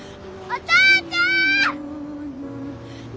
お父ちゃん！